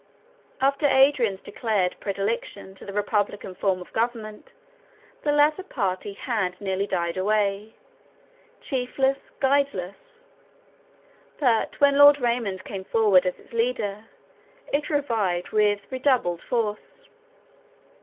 After Adrian's declared predeliction to the republican form of government, the latter party had nearly died away, chiefless, guideless; but, when Lord Raymond came forward as its leader, it revived with redoubled force.